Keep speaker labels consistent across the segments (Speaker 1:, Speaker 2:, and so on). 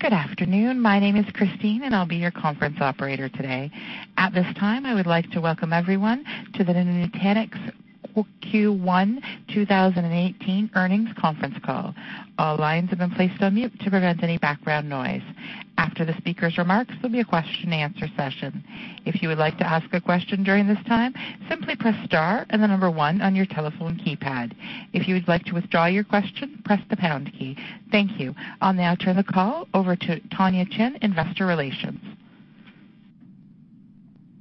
Speaker 1: Good afternoon. My name is Christine, and I'll be your conference operator today. At this time, I would like to welcome everyone to the Nutanix Q1 2018 earnings conference call. All lines have been placed on mute to prevent any background noise. After the speaker's remarks, there'll be a question and answer session. If you would like to ask a question during this time, simply press star and the number 1 on your telephone keypad. If you would like to withdraw your question, press the pound key. Thank you. I'll now turn the call over to Tonya Chin, Investor Relations.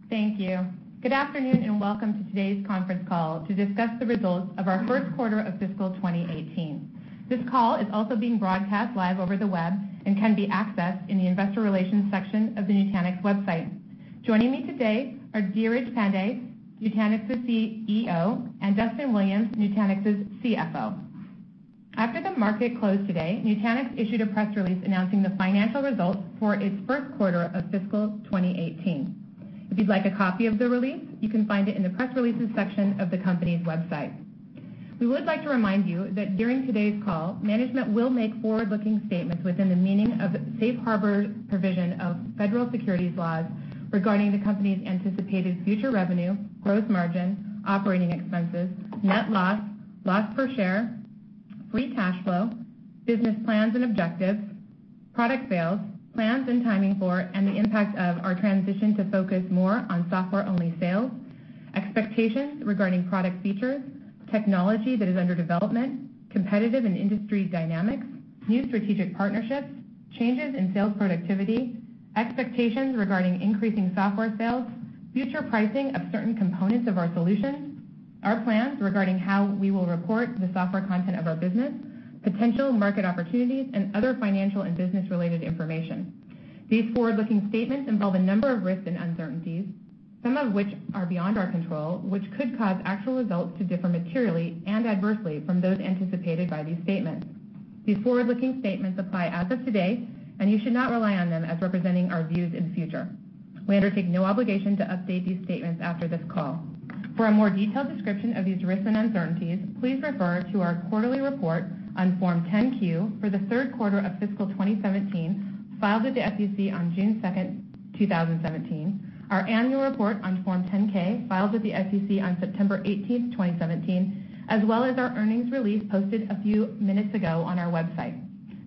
Speaker 2: Thank you. Good afternoon, and welcome to today's conference call to discuss the results of our first quarter of fiscal 2018. This call is also being broadcast live over the web and can be accessed in the investor relations section of the Nutanix website. Joining me today are Dheeraj Pandey, Nutanix's CEO, and Duston Williams, Nutanix's CFO. After the market closed today, Nutanix issued a press release announcing the financial results for its first quarter of fiscal 2018. If you'd like a copy of the release, you can find it in the press releases section of the company's website. We would like to remind you that during today's call, management will make forward-looking statements within the meaning of the safe harbor provision of federal securities laws regarding the company's anticipated future revenue, growth margin, operating expenses, net loss per share, free cash flow, business plans and objectives, product sales, plans and timing for, and the impact of our transition to focus more on software-only sales, expectations regarding product features, technology that is under development, competitive and industry dynamics, new strategic partnerships, changes in sales productivity, expectations regarding increasing software sales, future pricing of certain components of our solutions, our plans regarding how we will report the software content of our business, potential market opportunities, and other financial and business-related information. These forward-looking statements involve a number of risks and uncertainties, some of which are beyond our control, which could cause actual results to differ materially and adversely from those anticipated by these statements. These forward-looking statements apply as of today, and you should not rely on them as representing our views in future. We undertake no obligation to update these statements after this call. For a more detailed description of these risks and uncertainties, please refer to our quarterly report on Form 10-Q for the third quarter of fiscal 2017, filed with the SEC on June 2nd, 2017, our annual report on Form 10-K filed with the SEC on September 18th, 2017, as well as our earnings release posted a few minutes ago on our website.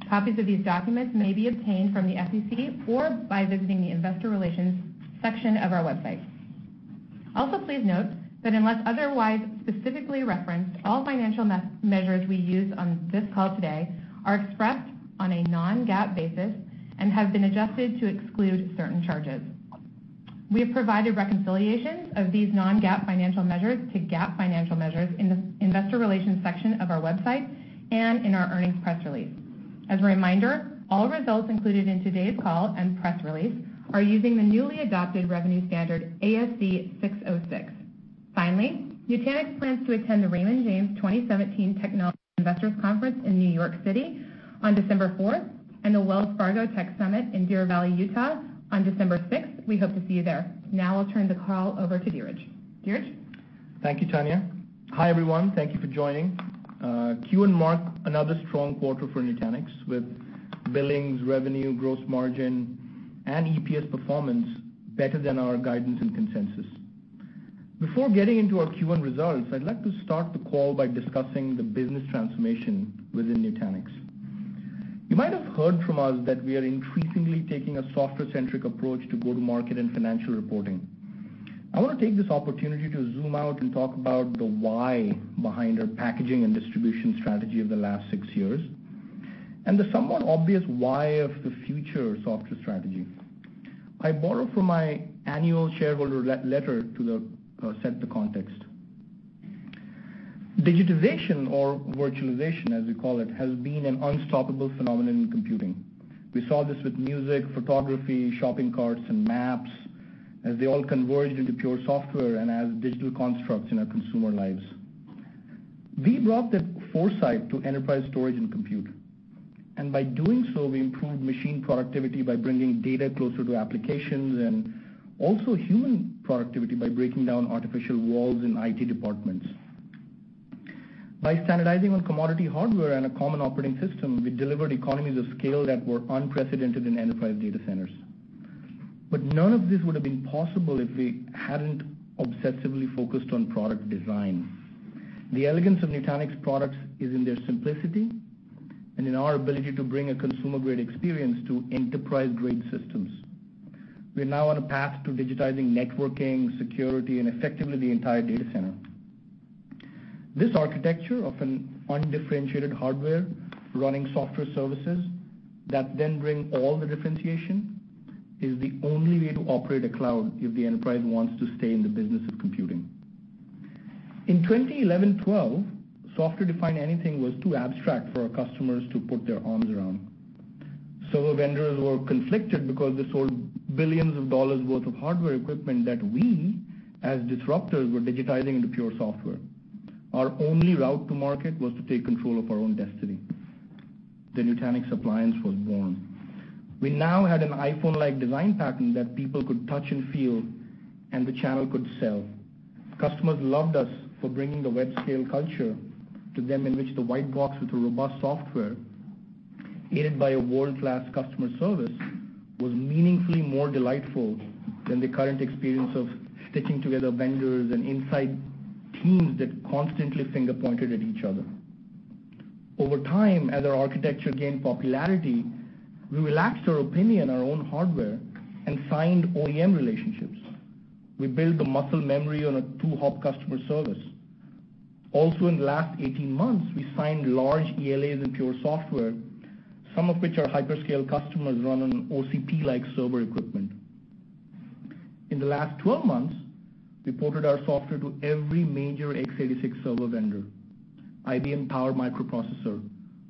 Speaker 2: Copies of these documents may be obtained from the SEC or by visiting the investor relations section of our website. Please note that unless otherwise specifically referenced, all financial measures we use on this call today are expressed on a non-GAAP basis and have been adjusted to exclude certain charges. We have provided reconciliations of these non-GAAP financial measures to GAAP financial measures in the investor relations section of our website and in our earnings press release. As a reminder, all results included in today's call and press release are using the newly adopted revenue standard, ASC 606. Finally, Nutanix plans to attend the Raymond James 2017 Technology Investors Conference in New York City on December 4th and the Wells Fargo Tech Summit in Deer Valley, Utah, on December 6th. We hope to see you there. I'll turn the call over to Dheeraj. Dheeraj?
Speaker 3: Thank you, Tonya. Hi, everyone. Thank you for joining. Q1 marked another strong quarter for Nutanix with billings, revenue, gross margin, and EPS performance better than our guidance and consensus. Before getting into our Q1 results, I'd like to start the call by discussing the business transformation within Nutanix. You might have heard from us that we are increasingly taking a software-centric approach to go-to-market and financial reporting. I want to take this opportunity to zoom out and talk about the why behind our packaging and distribution strategy of the last six years, and the somewhat obvious why of the future software strategy. I borrow from my annual shareholder letter to set the context. Digitization or virtualization, as we call it, has been an unstoppable phenomenon in computing. We saw this with music, photography, shopping carts, and maps, as they all converged into pure software and as digital constructs in our consumer lives. We brought that foresight to enterprise storage and compute, and by doing so, we improved machine productivity by bringing data closer to applications and also human productivity by breaking down artificial walls in IT departments. By standardizing on commodity hardware and a common operating system, we delivered economies of scale that were unprecedented in enterprise data centers. None of this would have been possible if we hadn't obsessively focused on product design. The elegance of Nutanix products is in their simplicity and in our ability to bring a consumer-grade experience to enterprise-grade systems. We are now on a path to digitizing networking, security, and effectively the entire data center. This architecture of an undifferentiated hardware running software services that then bring all the differentiation is the only way to operate a cloud if the enterprise wants to stay in the business of computing. In 2011-12, software-defined anything was too abstract for our customers to put their arms around. Several vendors were conflicted because they sold billions of dollars worth of hardware equipment that we, as disruptors, were digitizing into pure software. Our only route to market was to take control of our own destiny. The Nutanix Appliance was born. We now had an iPhone-like design pattern that people could touch and feel, and the channel could sell. Customers loved us for bringing the web-scale culture to them in which the white box with a robust software, aided by a world-class customer service, was meaningfully more delightful than the current experience of stitching together vendors and inside teams that constantly finger-pointed at each other. Over time, as our architecture gained popularity, we relaxed our opinion on our own hardware and signed OEM relationships. We built the muscle memory on a two-hop customer service. Also, in the last 18 months, we signed large ELAs and pure software, some of which are hyperscale customers run on OCP-like server equipment. In the last 12 months, we ported our software to every major x86 server vendor, IBM Power microprocessor,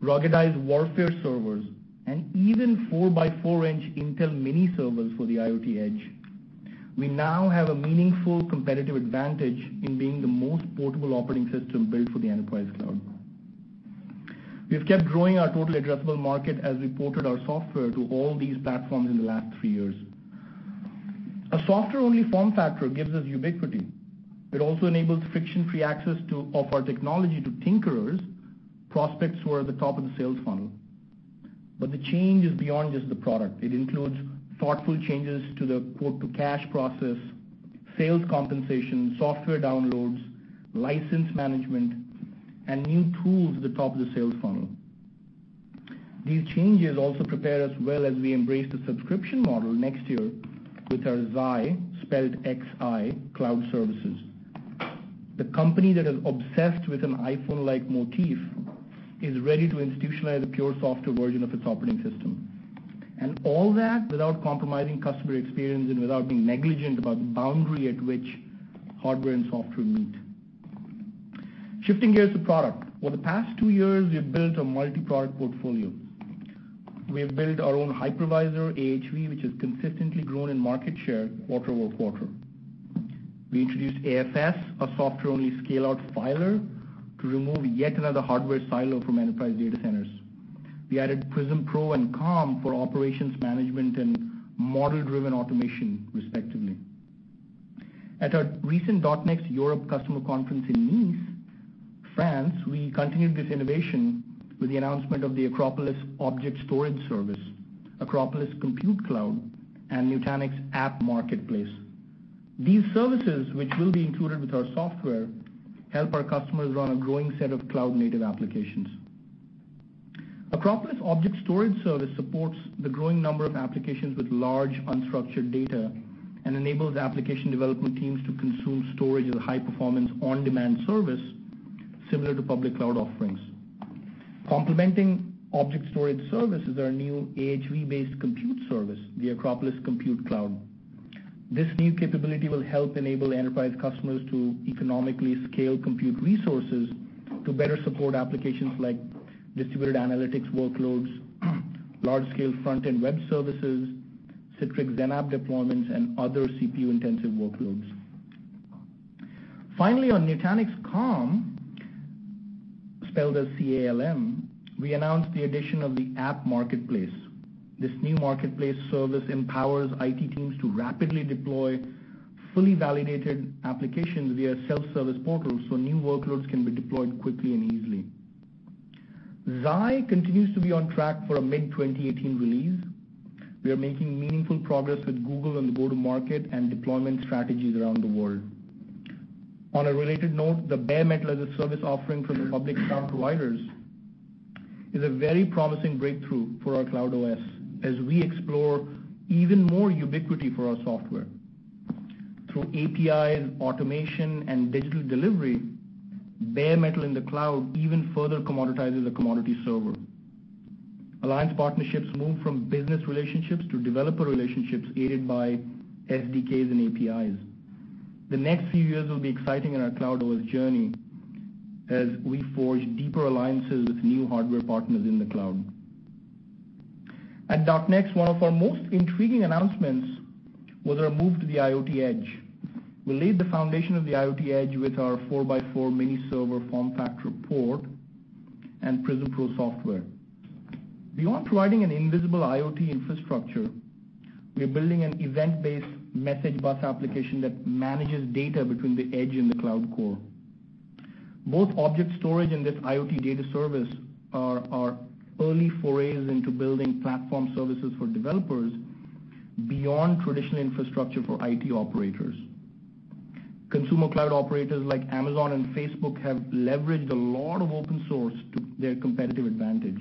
Speaker 3: ruggedized warfare servers, and even four by four-inch Intel mini servers for the IoT Edge. We now have a meaningful competitive advantage in being the most portable operating system built for the enterprise cloud. We have kept growing our total addressable market as we ported our software to all these platforms in the last three years. A software-only form factor gives us ubiquity. It also enables friction-free access of our technology to tinkerers, prospects who are at the top of the sales funnel. The change is beyond just the product. It includes thoughtful changes to the quote-to-cash process, sales compensation, software downloads, license management, and new tools at the top of the sales funnel. These changes also prepare us well as we embrace the subscription model next year with our Xi, spelled X-I, Cloud Services. The company that is obsessed with an iPhone-like motif is ready to institutionalize a pure software version of its operating system. All that without compromising customer experience and without being negligent about the boundary at which hardware and software meet. Shifting gears to product. Over the past two years, we've built a multi-product portfolio. We have built our own hypervisor, AHV, which has consistently grown in market share quarter over quarter. We introduced AFS, a software-only scale-out filer to remove yet another hardware silo from enterprise data centers. We added Prism Pro and Calm for operations management and model-driven automation, respectively. At our recent .NEXT Europe customer conference in Nice, France, we continued this innovation with the announcement of the Acropolis Object Storage Service, Acropolis Compute Cloud, and Nutanix Marketplace. These services, which will be included with our software, help our customers run a growing set of cloud-native applications. Acropolis Object Storage Service supports the growing number of applications with large unstructured data and enables application development teams to consume storage as a high-performance, on-demand service similar to public cloud offerings. Complementing object storage service is our new AHV-based compute service, the Acropolis Compute Cloud. This new capability will help enable enterprise customers to economically scale compute resources to better support applications like distributed analytics workloads, large-scale front-end web services, Citrix Virtual Apps deployments, and other CPU-intensive workloads. On Nutanix Calm, spelled as C-A-L-M, we announced the addition of the Nutanix Marketplace. This new marketplace service empowers IT teams to rapidly deploy fully validated applications via self-service portals so new workloads can be deployed quickly and easily. Xi continues to be on track for a mid-2018 release. We are making meaningful progress with Google on the go-to-market and deployment strategies around the world. On a related note, the bare metal-as-a-service offering from the public cloud providers is a very promising breakthrough for our Cloud OS as we explore even more ubiquity for our software. Through APIs, automation, and digital delivery, bare metal in the cloud even further commoditizes a commodity server. Alliance partnerships move from business relationships to developer relationships aided by SDKs and APIs. The next few years will be exciting in our Cloud OS journey as we forge deeper alliances with new hardware partners in the cloud. At .NEXT, one of our most intriguing announcements was our move to the IoT Edge. We laid the foundation of the IoT Edge with our 4 by 4 mini server form factor port and Prism Pro software. Beyond providing an invisible IoT infrastructure, we are building an event-based message bus application that manages data between the edge and the cloud core. Both object storage and this IoT data service are our early forays into building platform services for developers beyond traditional infrastructure for IT operators. Consumer cloud operators like Amazon and Facebook have leveraged a lot of open source to their competitive advantage.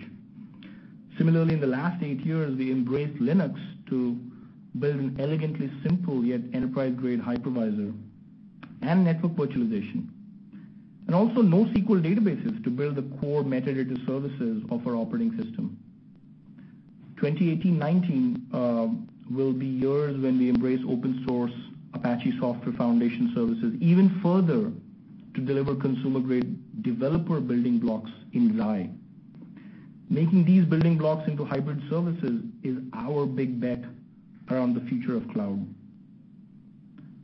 Speaker 3: Similarly, in the last eight years, we embraced Linux to build an elegantly simple yet enterprise-grade hypervisor and network virtualization, and also NoSQL databases to build the core metadata services of our operating system. 2018-2019 will be years when we embrace open source Apache Software Foundation services even further to deliver consumer-grade developer building blocks in Xi. Making these building blocks into hybrid services is our big bet around the future of cloud.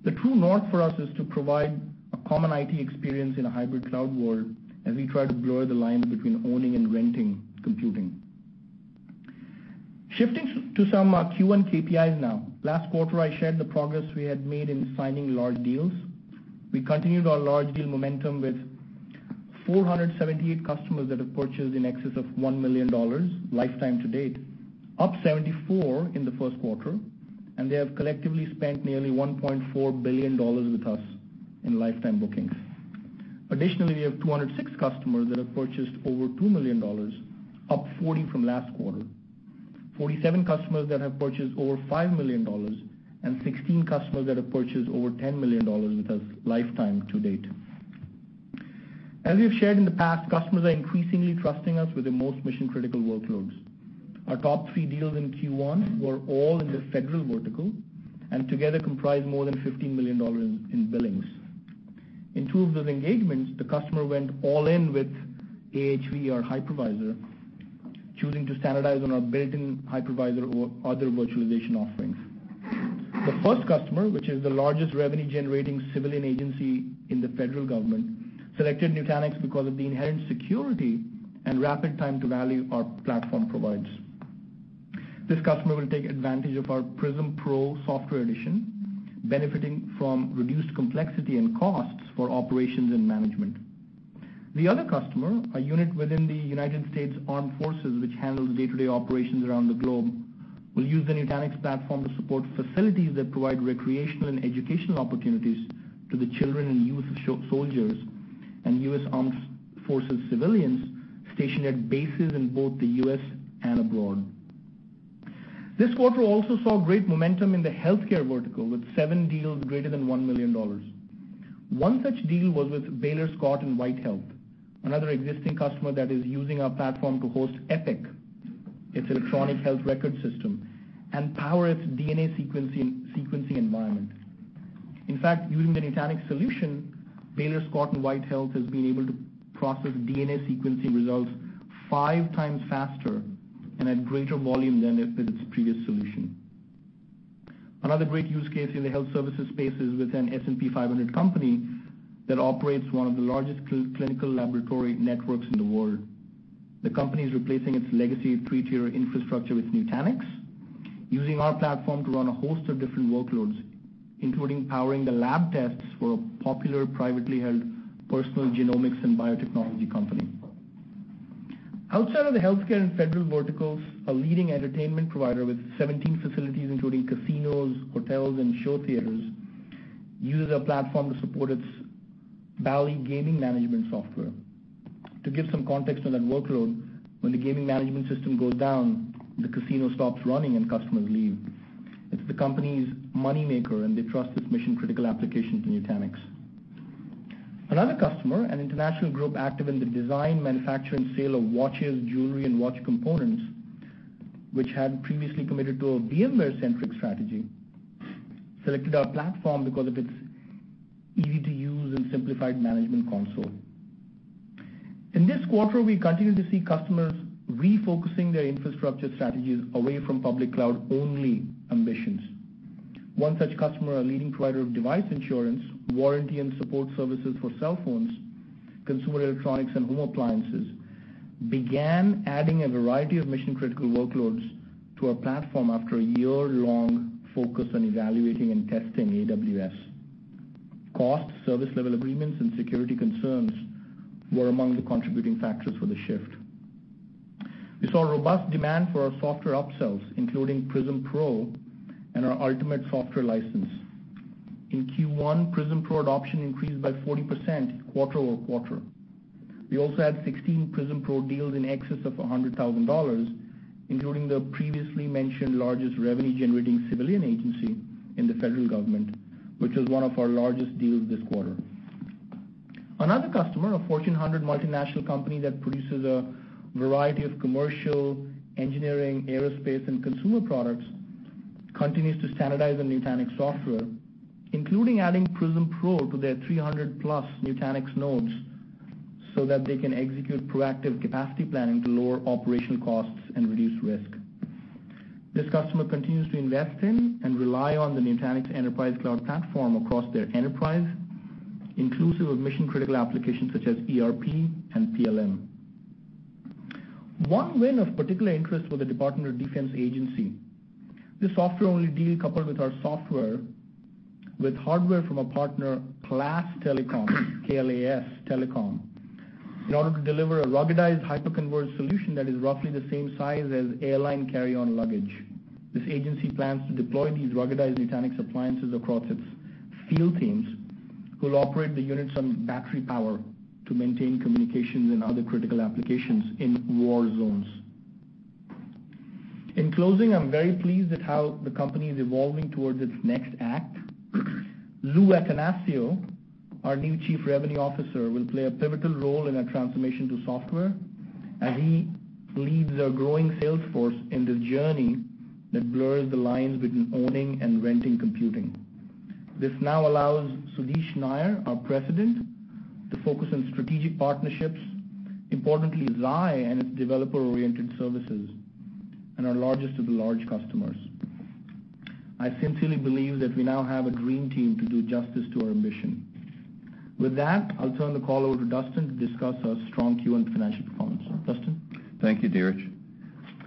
Speaker 3: The true north for us is to provide a common IT experience in a hybrid cloud world as we try to blur the lines between owning and renting computing. Shifting to some Q1 KPIs now. Last quarter, I shared the progress we had made in signing large deals. We continued our large deal momentum with 478 customers that have purchased in excess of $1 million lifetime to date, up 74 in the first quarter, and they have collectively spent nearly $1.4 billion with us in lifetime bookings. Additionally, we have 206 customers that have purchased over $2 million, up 40 from last quarter. 47 customers that have purchased over $5 million and 16 customers that have purchased over $10 million with us lifetime to date. As we've shared in the past, customers are increasingly trusting us with their most mission-critical workloads. Our top three deals in Q1 were all in the federal vertical, and together comprised more than $15 million in billings. In two of those engagements, the customer went all in with AHV or hypervisor, choosing to standardize on our built-in hypervisor or other virtualization offerings. The first customer, which is the largest revenue-generating civilian agency in the federal government, selected Nutanix because of the inherent security and rapid time to value our platform provides. This customer will take advantage of our Prism Pro software edition, benefiting from reduced complexity and costs for operations and management. The other customer, a unit within the United States Armed Forces, which handles day-to-day operations around the globe, will use the Nutanix platform to support facilities that provide recreational and educational opportunities to the children and youth soldiers and U.S. Armed Forces civilians stationed at bases in both the U.S. and abroad. This quarter also saw great momentum in the healthcare vertical, with seven deals greater than $1 million. One such deal was with Baylor Scott & White Health, another existing customer that is using our platform to host Epic, its electronic health record system, and power its DNA sequencing environment. In fact, using the Nutanix solution, Baylor Scott & White Health has been able to process DNA sequencing results five times faster and at greater volume than with its previous solution. Another great use case in the health services space is with an S&P 500 company that operates one of the largest clinical laboratory networks in the world. The company is replacing its legacy 3-tier infrastructure with Nutanix, using our platform to run a host of different workloads, including powering the lab tests for a popular privately held personal genomics and biotechnology company. Outside of the healthcare and federal verticals, a leading entertainment provider with 17 facilities, including casinos, hotels, and show theaters, uses our platform to support its Bally gaming management software. To give some context on that workload, when the gaming management system goes down, the casino stops running, and customers leave. It's the company's money maker, and they trust its mission-critical application to Nutanix. Another customer, an international group active in the design, manufacture, and sale of watches, jewelry, and watch components, which had previously committed to a VMware-centric strategy, selected our platform because of its easy-to-use and simplified management console. In this quarter, we continued to see customers refocusing their infrastructure strategies away from public cloud-only ambitions. One such customer, a leading provider of device insurance, warranty, and support services for cell phones, consumer electronics, and home appliances, began adding a variety of mission-critical workloads to our platform after a year-long focus on evaluating and testing AWS. Cost, service level agreements, and security concerns were among the contributing factors for the shift. We saw robust demand for our software upsells, including Prism Pro and our Ultimate Software license. In Q1, Prism Pro adoption increased by 40% quarter-over-quarter. We also had 16 Prism Pro deals in excess of $100,000, including the previously mentioned largest revenue-generating civilian agency in the federal government, which was one of our largest deals this quarter. Another customer, a Fortune 100 multinational company that produces a variety of commercial, engineering, aerospace, and consumer products, continues to standardize on Nutanix software, including adding Prism Pro to their 300-plus Nutanix nodes so that they can execute proactive capacity planning to lower operational costs and reduce risk. This customer continues to invest in and rely on the Nutanix Enterprise Cloud platform across their enterprise, inclusive of mission-critical applications such as ERP and PLM. One win of particular interest was the Department of Defense Agency. This software-only deal coupled with our software with hardware from a partner, Klas Telecom, K-L-A-S Telecom, in order to deliver a ruggedized hyper-converged solution that is roughly the same size as airline carry-on luggage. This agency plans to deploy these ruggedized Nutanix appliances across its field teams, who will operate the units on battery power to maintain communications and other critical applications in war zones. In closing, I'm very pleased at how the company is evolving towards its next act. Lou Attanasio, our new Chief Revenue Officer, will play a pivotal role in our transformation to software as he leads our growing sales force in this journey that blurs the lines between owning and renting computing. This now allows Sudheesh Nair, our President, to focus on strategic partnerships, importantly Xi and its developer-oriented services and our largest of the large customers. I sincerely believe that we now have a dream team to do justice to our mission. With that, I'll turn the call over to Duston to discuss our strong Q1 financial performance. Duston?
Speaker 4: Thank you, Dheeraj.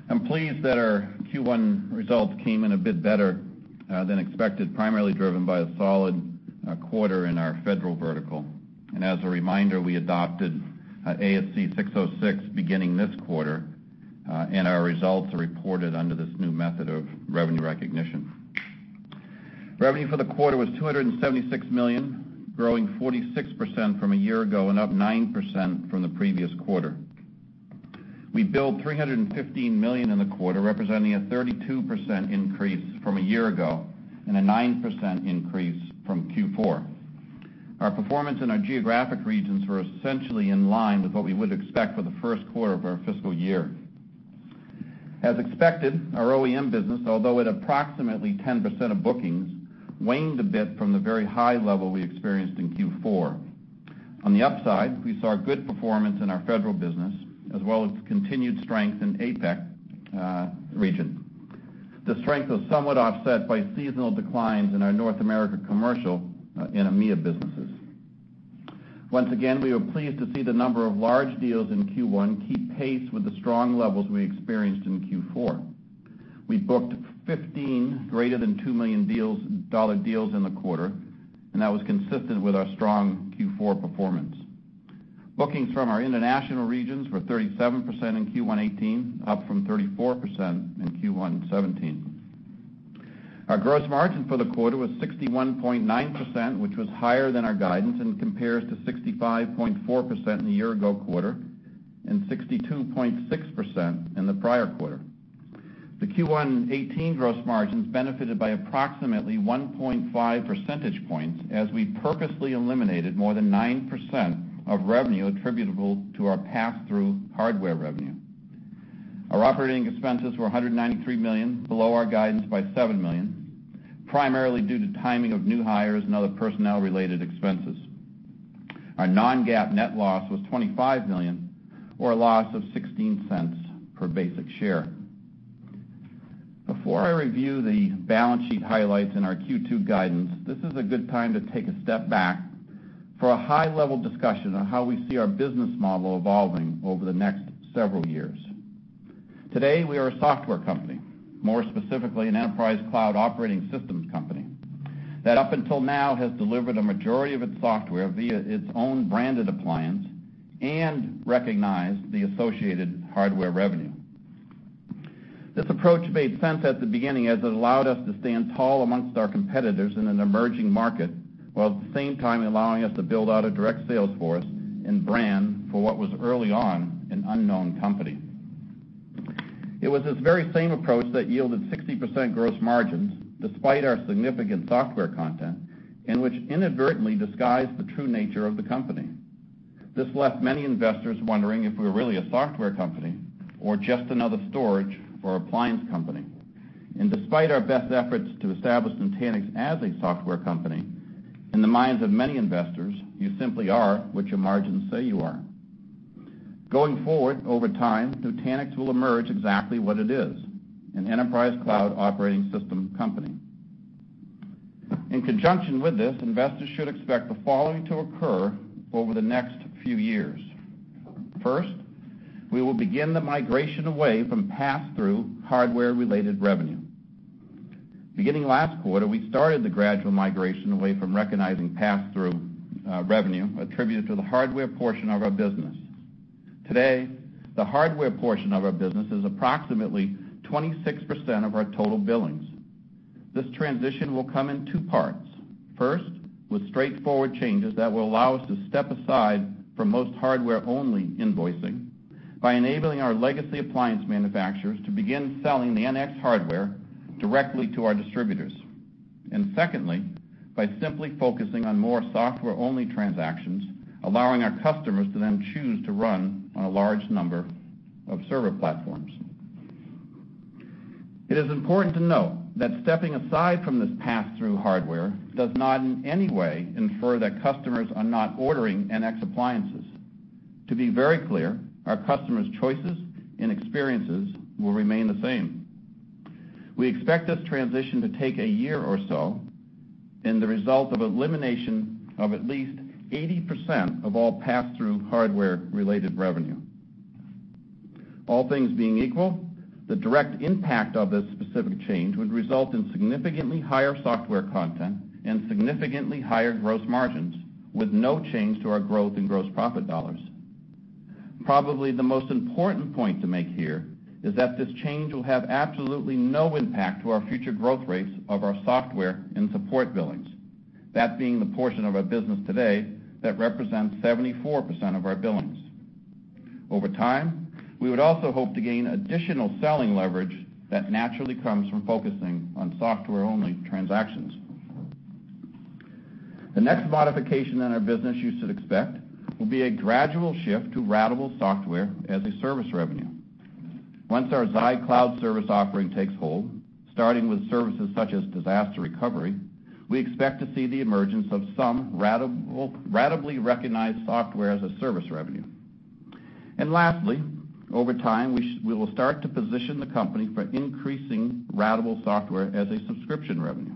Speaker 4: I'm pleased that our Q1 results came in a bit better than expected, primarily driven by a solid quarter in our federal vertical. As a reminder, we adopted ASC 606 beginning this quarter, and our results are reported under this new method of revenue recognition. Revenue for the quarter was $276 million, growing 46% from a year ago and up 9% from the previous quarter. We billed $315 million in the quarter, representing a 32% increase from a year ago and a 9% increase from Q4. Our performance in our geographic regions were essentially in line with what we would expect for the first quarter of our fiscal year. As expected, our OEM business, although at approximately 10% of bookings, waned a bit from the very high level we experienced in Q4. On the upside, we saw good performance in our federal business, as well as continued strength in APAC region. The strength was somewhat offset by seasonal declines in our North America commercial and EMEA businesses. Once again, we were pleased to see the number of large deals in Q1 keep pace with the strong levels we experienced in Q4. We booked 15 greater than $2 million deals in the quarter, and that was consistent with our strong Q4 performance. Bookings from our international regions were 37% in Q1 2018, up from 34% in Q1 2017. Our gross margin for the quarter was 61.9%, which was higher than our guidance and compares to 65.4% in the year ago quarter and 62.6% in the prior quarter. The Q1 2018 gross margins benefited by approximately 1.5 percentage points as we purposely eliminated more than 9% of revenue attributable to our pass-through hardware revenue. Our operating expenses were $193 million, below our guidance by $7 million, primarily due to timing of new hires and other personnel-related expenses. Our non-GAAP net loss was $25 million, or a loss of $0.16 per basic share. Before I review the balance sheet highlights in our Q2 guidance, this is a good time to take a step back for a high-level discussion on how we see our business model evolving over the next several years. Today, we are a software company, more specifically an enterprise cloud operating systems company, that up until now has delivered a majority of its software via its own branded appliance and recognized the associated hardware revenue. This approach made sense at the beginning as it allowed us to stand tall amongst our competitors in an emerging market, while at the same time allowing us to build out a direct sales force and brand for what was early on an unknown company. It was this very same approach that yielded 60% gross margins despite our significant software content, and which inadvertently disguised the true nature of the company. This left many investors wondering if we were really a software company or just another storage or appliance company. Despite our best efforts to establish Nutanix as a software company, in the minds of many investors, you simply are what your margins say you are. Going forward, over time, Nutanix will emerge exactly what it is, an enterprise cloud operating system company. In conjunction with this, investors should expect the following to occur over the next few years. First, we will begin the migration away from pass-through hardware-related revenue. Beginning last quarter, we started the gradual migration away from recognizing pass-through revenue attributed to the hardware portion of our business. Today, the hardware portion of our business is approximately 26% of our total billings. This transition will come in two parts. First, with straightforward changes that will allow us to step aside from most hardware-only invoicing by enabling our legacy appliance manufacturers to begin selling the NX hardware directly to our distributors. Secondly, by simply focusing on more software-only transactions, allowing our customers to then choose to run on a large number of server platforms. It is important to note that stepping aside from this pass-through hardware does not in any way infer that customers are not ordering NX appliances. To be very clear, our customers' choices and experiences will remain the same. We expect this transition to take a year or so, and the result of elimination of at least 80% of all pass-through hardware-related revenue. All things being equal, the direct impact of this specific change would result in significantly higher software content and significantly higher gross margins with no change to our growth in gross profit dollars. Probably the most important point to make here is that this change will have absolutely no impact to our future growth rates of our software and support billings, that being the portion of our business today that represents 74% of our billings. Over time, we would also hope to gain additional selling leverage that naturally comes from focusing on software-only transactions. The next modification in our business you should expect will be a gradual shift to ratable software as a service revenue. Once our Xi Cloud service offering takes hold, starting with services such as disaster recovery. We expect to see the emergence of some ratably recognized software as a service revenue. Lastly, over time, we will start to position the company for increasing ratable software as a subscription revenue.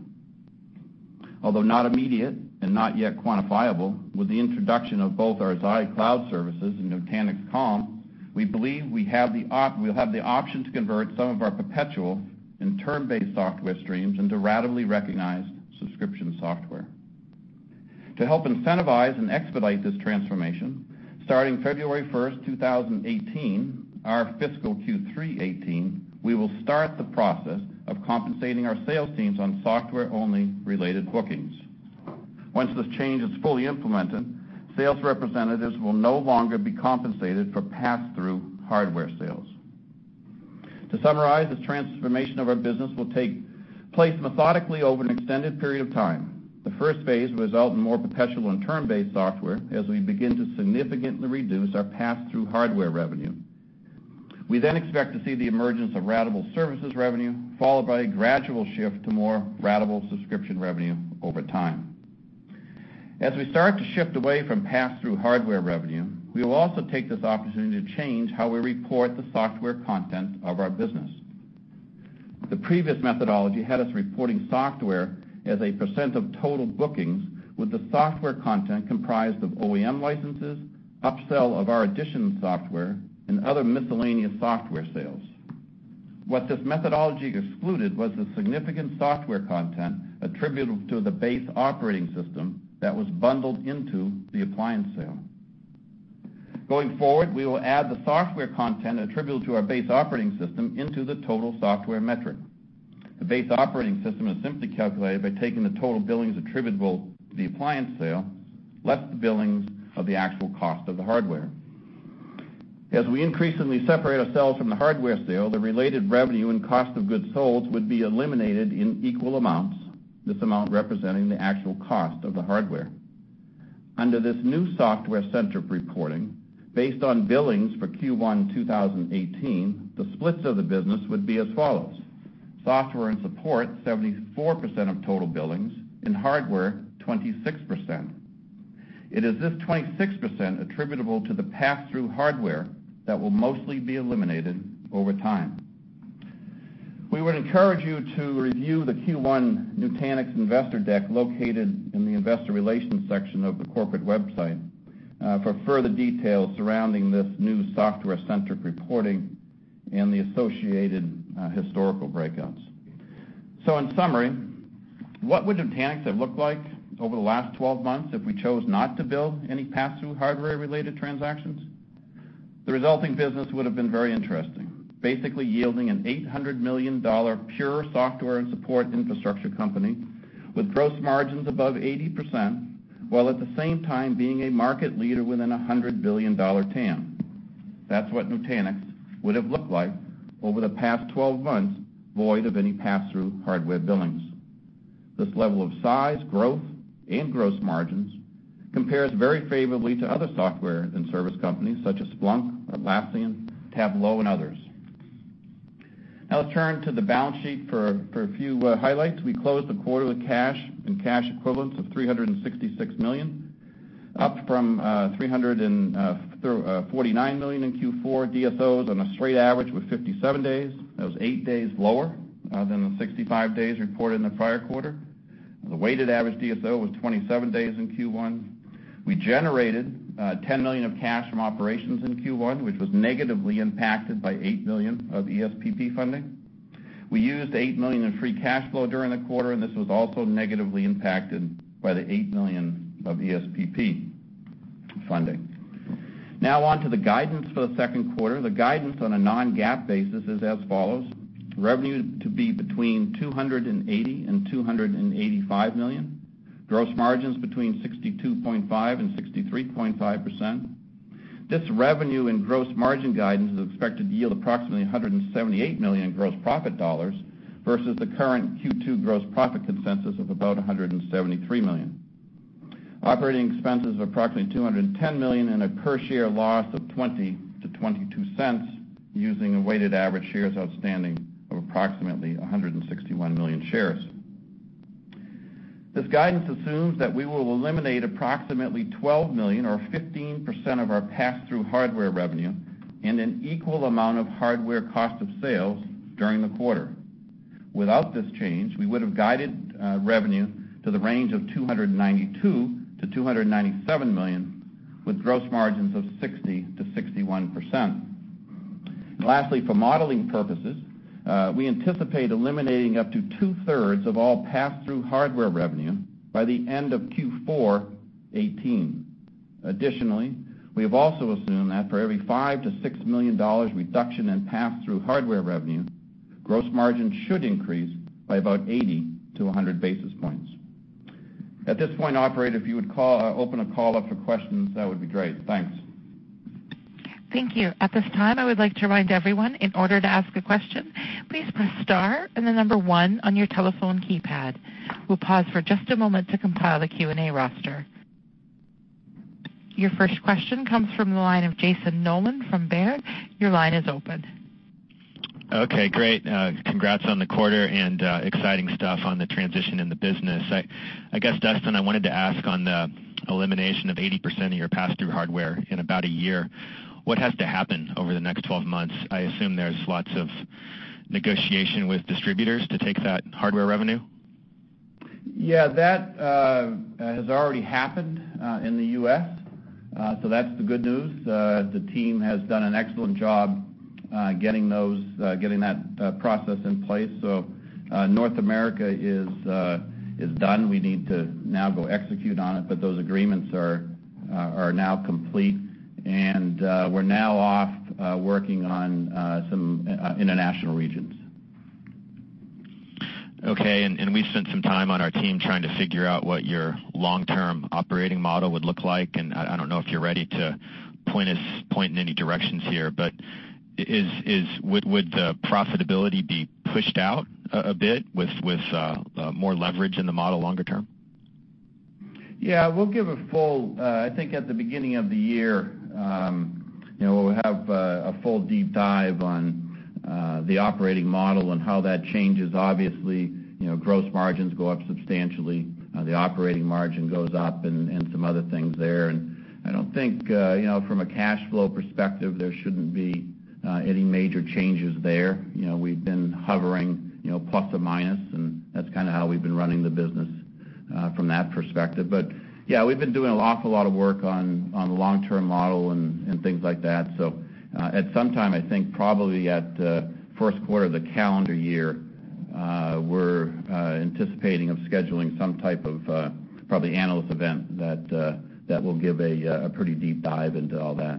Speaker 4: Although not immediate and not yet quantifiable, with the introduction of both our Xi Cloud services and Nutanix Calm, we believe we'll have the option to convert some of our perpetual and term-based software streams into ratably recognized subscription software. To help incentivize and expedite this transformation, starting February 1st, 2018, our fiscal Q3 2018, we will start the process of compensating our sales teams on software-only related bookings. Once this change is fully implemented, sales representatives will no longer be compensated for pass-through hardware sales. To summarize, this transformation of our business will take place methodically over an extended period of time. The first phase will result in more perpetual and term-based software as we begin to significantly reduce our pass-through hardware revenue. We then expect to see the emergence of ratable services revenue, followed by a gradual shift to more ratable subscription revenue over time. As we start to shift away from pass-through hardware revenue, we will also take this opportunity to change how we report the software content of our business. The previous methodology had us reporting software as a % of total bookings, with the software content comprised of OEM licenses, upsell of our additional software, and other miscellaneous software sales. What this methodology excluded was the significant software content attributable to the base operating system that was bundled into the appliance sale. Going forward, we will add the software content attributable to our base operating system into the total software metric. The base operating system is simply calculated by taking the total billings attributable to the appliance sale, less the billings of the actual cost of the hardware. As we increasingly separate ourselves from the hardware sale, the related revenue and cost of goods sold would be eliminated in equal amounts, this amount representing the actual cost of the hardware. Under this new software-centric reporting, based on billings for Q1 2018, the splits of the business would be as follows. Software and support, 74% of total billings, and hardware, 26%. It is this 26% attributable to the pass-through hardware that will mostly be eliminated over time. We would encourage you to review the Q1 Nutanix investor deck located in the investor relations section of the corporate website for further details surrounding this new software-centric reporting and the associated historical breakouts. In summary, what would Nutanix have looked like over the last 12 months if we chose not to build any pass-through hardware-related transactions? The resulting business would've been very interesting, basically yielding an $800 million pure software and support infrastructure company with gross margins above 80%, while at the same time being a market leader within a $100 billion TAM. That's what Nutanix would have looked like over the past 12 months, void of any pass-through hardware billings. This level of size, growth, and gross margins compares very favorably to other software and service companies such as Splunk, Atlassian, Tableau, and others. Now let's turn to the balance sheet for a few highlights. We closed the quarter with cash and cash equivalents of $366 million, up from $349 million in Q4. DSOs on a straight average were 57 days. That was eight days lower than the 65 days reported in the prior quarter. The weighted average DSO was 27 days in Q1. We generated $10 million of cash from operations in Q1, which was negatively impacted by $8 million of ESPP funding. We used $8 million in free cash flow during the quarter, and this was also negatively impacted by the $8 million of ESPP funding. Now on to the guidance for the second quarter. The guidance on a non-GAAP basis is as follows. Revenue to be between $280 million and $285 million. Gross margins between 62.5% and 63.5%. This revenue and gross margin guidance is expected to yield approximately $178 million in gross profit dollars versus the current Q2 gross profit consensus of about $173 million. Operating expenses of approximately $210 million and a per-share loss of $0.20-$0.22 using a weighted average shares outstanding of approximately 161 million shares. This guidance assumes that we will eliminate approximately $12 million or 15% of our pass-through hardware revenue and an equal amount of hardware cost of sales during the quarter. Without this change, we would have guided revenue to the range of $292 million-$297 million, with gross margins of 60%-61%. Lastly, for modeling purposes, we anticipate eliminating up to two-thirds of all pass-through hardware revenue by the end of Q4 2018. Additionally, we have also assumed that for every $5 million-$6 million reduction in pass-through hardware revenue, gross margin should increase by about 80-100 basis points. At this point, operator, if you would open a call up for questions, that would be great. Thanks.
Speaker 1: Thank you. At this time, I would like to remind everyone, in order to ask a question, please press star and the number one on your telephone keypad. We'll pause for just a moment to compile a Q&A roster. Your first question comes from the line of Jason Ader from Baird. Your line is open.
Speaker 5: Okay, great. Congrats on the quarter and exciting stuff on the transition in the business. I guess, Duston, I wanted to ask on the elimination of 80% of your pass-through hardware in about a year, what has to happen over the next 12 months? I assume there's lots of negotiation with distributors to take that hardware revenue.
Speaker 4: Yeah. That has already happened in the U.S., that's the good news. The team has done an excellent job getting that process in place. North America is done. We need to now go execute on it, those agreements are now complete, we're now off working on some international regions.
Speaker 5: Okay, we've spent some time on our team trying to figure out what your long-term operating model would look like, I don't know if you're ready to point us point in any directions here, would the profitability be pushed out a bit with more leverage in the model longer term?
Speaker 4: Yeah. We'll give a full. I think at the beginning of the year, we'll have a full deep dive on the operating model and how that changes. Obviously, gross margins go up substantially. The operating margin goes up and some other things there. I don't think from a cash flow perspective, there shouldn't be any major changes there. We've been hovering plus or minus, that's kind of how we've been running the business from that perspective. Yeah, we've been doing an awful lot of work on the long-term model and things like that. At some time, I think probably at the first quarter of the calendar year, we're anticipating of scheduling some type of probably analyst event that will give a pretty deep dive into all that.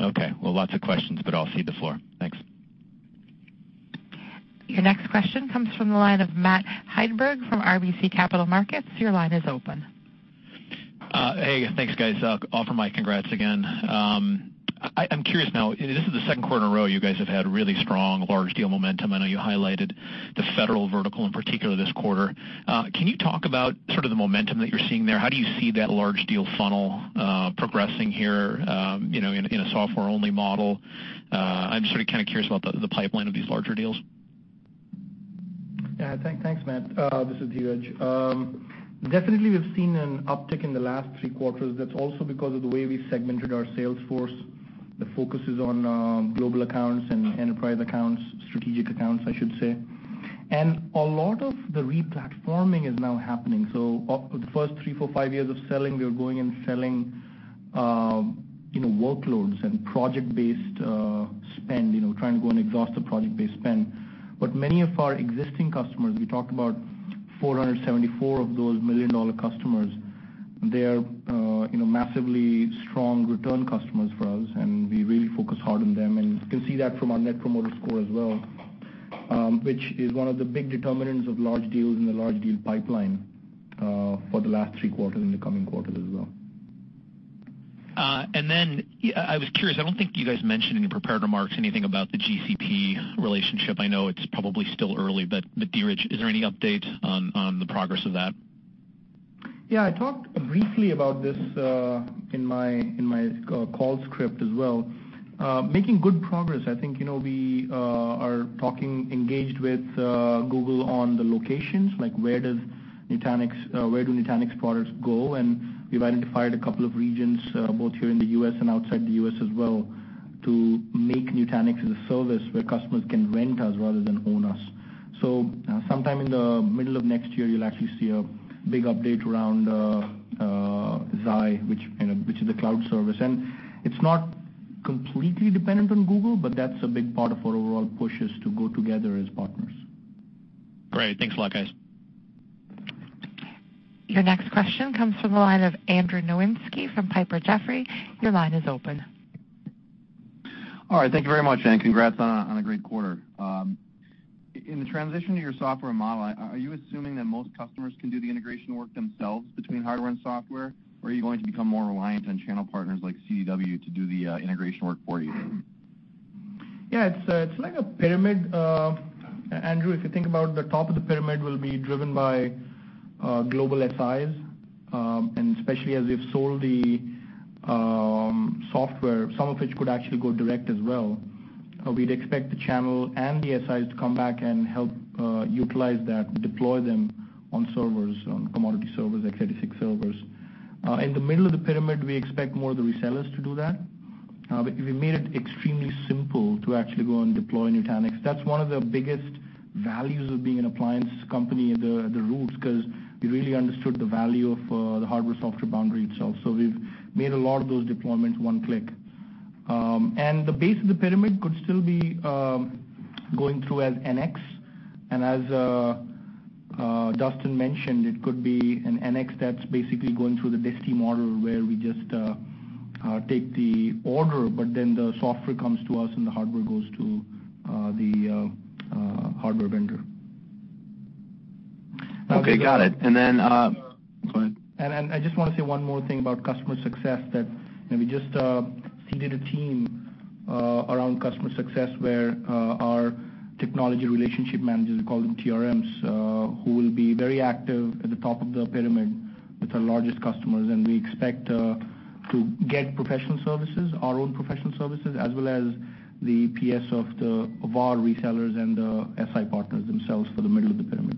Speaker 6: Okay. Well, lots of questions, I'll cede the floor. Thanks.
Speaker 1: Your next question comes from the line of Matthew Hedberg from RBC Capital Markets. Your line is open.
Speaker 7: Hey, thanks, guys. I'll offer my congrats again. I'm curious now, this is the second quarter in a row you guys have had really strong large deal momentum. I know you highlighted the federal vertical, in particular this quarter. Can you talk about sort of the momentum that you're seeing there? How do you see that large deal funnel progressing here in a software-only model? I'm just sort of curious about the pipeline of these larger deals.
Speaker 3: Yeah. Thanks, Matt. This is Dheeraj. Definitely we've seen an uptick in the last three quarters. That's also because of the way we segmented our sales force. The focus is on global accounts and enterprise accounts, strategic accounts, I should say. A lot of the re-platforming is now happening. The first three, four, five years of selling, we were going and selling workloads and project-based spend, trying to go and exhaust the project-based spend. Many of our existing customers, we talked about 474 of those million-dollar customers, they are massively strong return customers for us, and we really focus hard on them. You can see that from our net promoter score as well, which is one of the big determinants of large deals in the large deal pipeline for the last three quarters and the coming quarters as well.
Speaker 7: I was curious, I don't think you guys mentioned in your prepared remarks anything about the GCP relationship. I know it's probably still early, but Dheeraj, is there any update on the progress of that?
Speaker 3: I talked briefly about this in my call script as well. Making good progress. I think we are engaged with Google on the locations, like where do Nutanix products go, and we've identified a couple of regions both here in the U.S. and outside the U.S. as well to make Nutanix as a service where customers can rent us rather than own us. Sometime in the middle of next year, you'll actually see a big update around Xi, which is a cloud service. It's not completely dependent on Google, but that's a big part of our overall push is to go together as partners.
Speaker 7: Great. Thanks a lot, guys.
Speaker 1: Your next question comes from the line of Andrew Nowinski from Piper Jaffray. Your line is open.
Speaker 8: All right. Thank you very much, and congrats on a great quarter. In the transition to your software model, are you assuming that most customers can do the integration work themselves between hardware and software, or are you going to become more reliant on channel partners like CDW to do the integration work for you?
Speaker 3: It's like a pyramid, Andrew. If you think about the top of the pyramid will be driven by global SIs, especially as we've sold the software, some of which could actually go direct as well. We'd expect the channel and the SIs to come back and help utilize that, deploy them on servers, on commodity servers, x86 servers. In the middle of the pyramid, we expect more of the resellers to do that. We made it extremely simple to actually go and deploy Nutanix. That's one of the biggest values of being an appliance company at the roots because we really understood the value of the hardware-software boundary itself. We've made a lot of those deployments one click. The base of the pyramid could still be going through as NX. As Duston mentioned, it could be an NX that's basically going through the distie model where we just take the order, but then the software comes to us, and the hardware goes to the hardware vendor.
Speaker 8: Okay, got it. Go ahead.
Speaker 3: I just want to say one more thing about customer success that we just seeded a team around customer success, where our technology relationship managers, we call them TRMs, who will be very active at the top of the pyramid with our largest customers. We expect to get professional services, our own professional services, as well as the PS of our retailers and the SI partners themselves for the middle of the pyramid.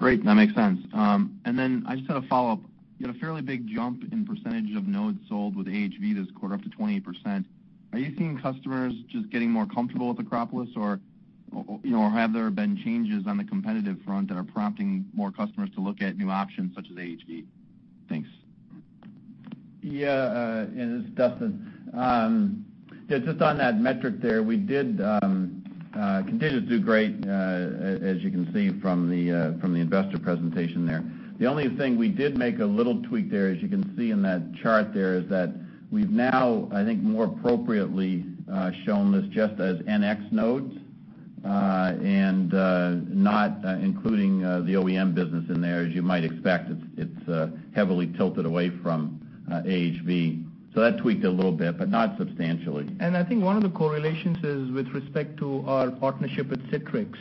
Speaker 8: Great. That makes sense. Then I just had a follow-up. You had a fairly big jump in percentage of nodes sold with AHV this quarter, up to 28%. Are you seeing customers just getting more comfortable with Acropolis, or have there been changes on the competitive front that are prompting more customers to look at new options such as AHV? Thanks.
Speaker 4: Yeah. This is Duston. Just on that metric there, we did continue to do great, as you can see from the investor presentation there. The only thing we did make a little tweak there, as you can see in that chart there, is that we've now, I think, more appropriately shown this just as NX nodes, not including the OEM business in there. As you might expect, it's heavily tilted away from AHV. That tweaked a little bit, but not substantially.
Speaker 3: I think one of the correlations is with respect to our partnership with Citrix.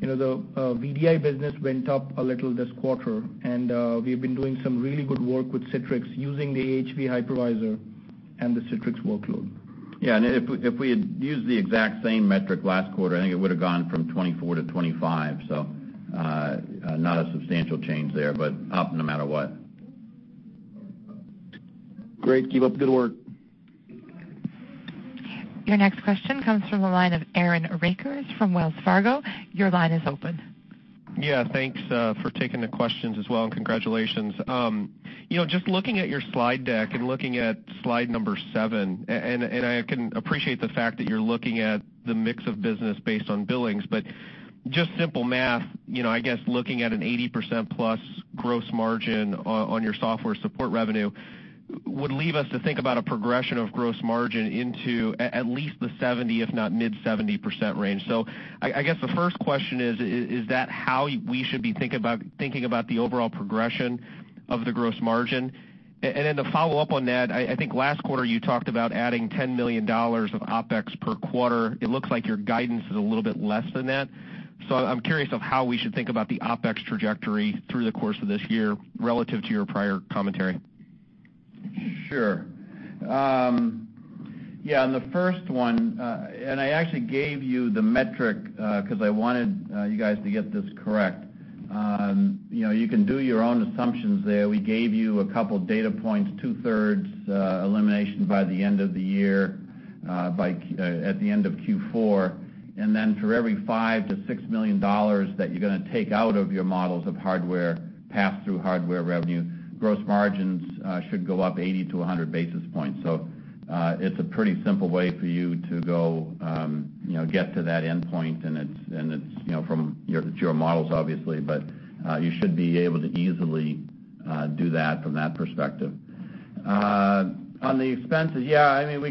Speaker 3: The VDI business went up a little this quarter, and we've been doing some really good work with Citrix using the AHV hypervisor and the Citrix workload.
Speaker 4: If we had used the exact same metric last quarter, I think it would've gone from 24 to 25, not a substantial change there, but up no matter what.
Speaker 8: Great. Keep up the good work.
Speaker 1: Your next question comes from the line of Aaron Rakers from Wells Fargo. Your line is open.
Speaker 9: Yeah, thanks for taking the questions as well, and congratulations. Just looking at your slide deck and looking at slide number seven, and I can appreciate the fact that you're looking at the mix of business based on billings, but just simple math, I guess looking at an 80% plus gross margin on your software support revenue would lead us to think about a progression of gross margin into at least the 70%, if not mid 70% range. I guess the first question is that how we should be thinking about the overall progression of the gross margin? To follow up on that, I think last quarter you talked about adding $10 million of OpEx per quarter. It looks like your guidance is a little bit less than that. I'm curious of how we should think about the OpEx trajectory through the course of this year relative to your prior commentary.
Speaker 4: Sure. Yeah, on the first one, I actually gave you the metric, because I wanted you guys to get this correct. You can do your own assumptions there. We gave you a couple data points, two-thirds elimination by the end of the year at the end of Q4, and then for every $5 million-$6 million that you're going to take out of your models of hardware, pass through hardware revenue, gross margins should go up 80-100 basis points. It's a pretty simple way for you to go get to that endpoint, and it's your models, obviously, but you should be able to easily do that from that perspective. On the expenses, yeah, we were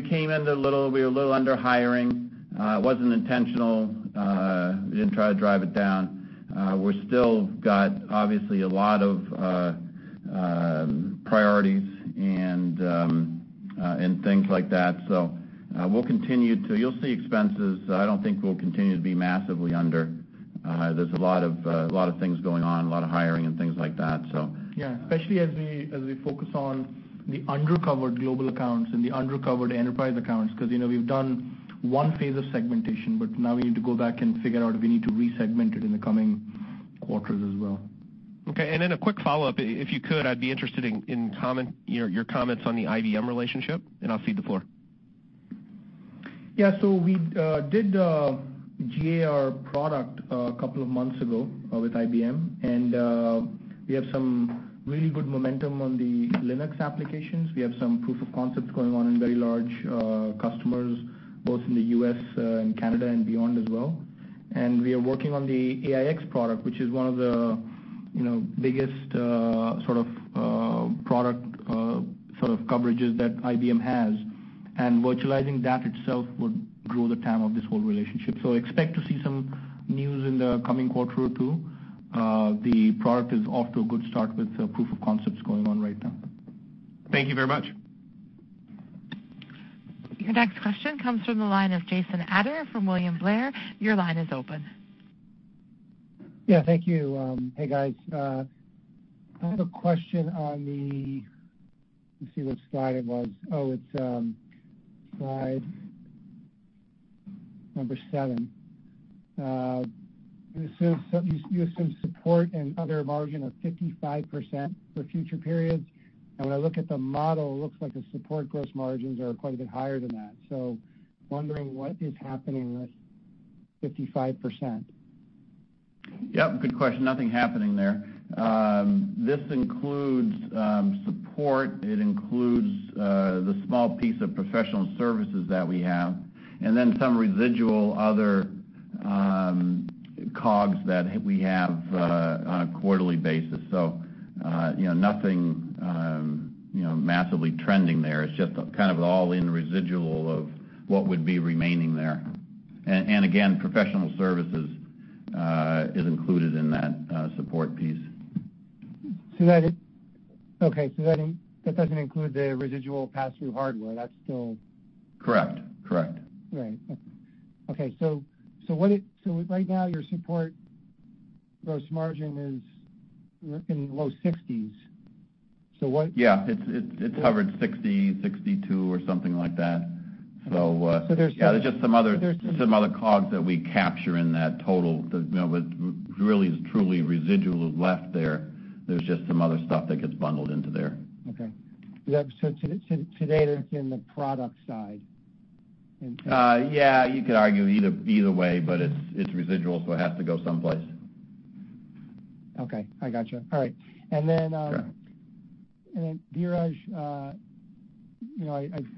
Speaker 4: a little under hiring. It wasn't intentional. We didn't try to drive it down. We've still got, obviously, a lot of priorities and things like that. You'll see expenses, I don't think we'll continue to be massively under. There's a lot of things going on, a lot of hiring and things like that.
Speaker 3: Yeah, especially as we focus on the under-covered global accounts and the under-covered enterprise accounts. We've done one phase of segmentation, but now we need to go back and figure out if we need to re-segment it in the coming quarters as well.
Speaker 9: Okay. Then a quick follow-up, if you could, I'd be interested in your comments on the IBM relationship, and I'll cede the floor.
Speaker 3: Yeah. We did GA our product a couple of months ago with IBM, and we have some really good momentum on the Linux applications. We have some proof of concepts going on in very large customers, both in the U.S. and Canada and beyond as well. We are working on the AIX product, which is one of the biggest product coverages that IBM has. Virtualizing that itself would grow the TAM of this whole relationship. Expect to see some news in the coming quarter or two. The product is off to a good start with proof of concepts going on right now.
Speaker 9: Thank you very much.
Speaker 1: Your next question comes from the line of Jason Ader from William Blair. Your line is open.
Speaker 6: Yeah, thank you. Hey, guys. I have a question on the, let me see which slide it was. Oh, it's slide number seven. You have some support and other margin of 55% for future periods, when I look at the model, it looks like the support gross margins are quite a bit higher than that. Wondering what is happening with 55%?
Speaker 4: Yep, good question. Nothing happening there. This includes support, it includes the small piece of professional services that we have, and then some residual other COGS that we have on a quarterly basis. Nothing massively trending there. It's just kind of all in residual of what would be remaining there. And again, professional services is included in that support piece.
Speaker 6: Okay. That doesn't include the residual pass-through hardware. That's still.
Speaker 4: Correct.
Speaker 6: Right. Okay. Right now, your support gross margin is in the low 60s. What.
Speaker 4: Yeah. It's hovered 60, 62, or something like that.
Speaker 6: So there's-
Speaker 4: Yeah, there's just some other COGS that we capture in that total that really is truly residual is left there. There's just some other stuff that gets bundled into there.
Speaker 6: Okay. Yeah. To date, it's in the product side.
Speaker 4: Yeah, you could argue either way, but it's residual, so it has to go someplace.
Speaker 6: Okay. I got you. All right.
Speaker 4: Sure.
Speaker 6: Dheeraj,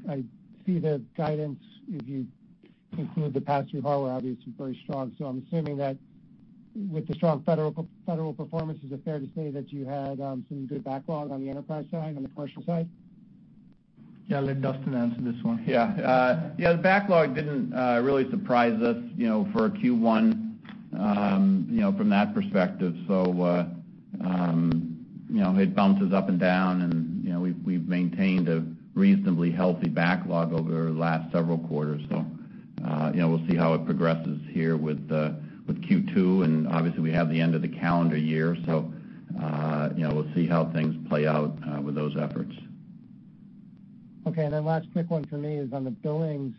Speaker 6: I see the guidance, if you include the pass-through hardware, obviously very strong. I'm assuming that with the strong federal performance, is it fair to say that you had some good backlog on the enterprise side, on the commercial side?
Speaker 3: Yeah, I'll let Duston answer this one.
Speaker 4: Yeah. The backlog didn't really surprise us for a Q1 from that perspective. It bounces up and down, and we've maintained a reasonably healthy backlog over the last several quarters. We'll see how it progresses here with Q2, and obviously, we have the end of the calendar year. We'll see how things play out with those efforts.
Speaker 6: Okay. Last quick one for me is on the billings